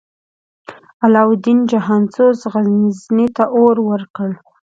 علاوالدین جهان سوز، غزني ته اور ورکړ.